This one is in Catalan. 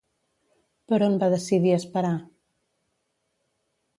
Per on va decidir esperar?